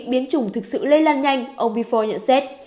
biến chủng thực sự lây lan nhanh ông bifo nhận xét